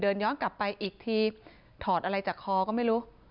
ย้อนกลับไปอีกทีถอดอะไรจากคอก็ไม่รู้